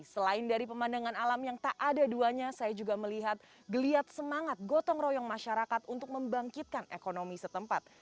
selain dari pemandangan alam yang tak ada duanya saya juga melihat geliat semangat gotong royong masyarakat untuk membangkitkan ekonomi setempat